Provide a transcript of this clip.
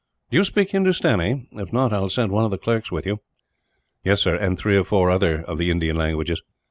"Do you speak Hindustani? If not, I will send one of the clerks with you." "Yes, sir; and three or four other of the Indian languages."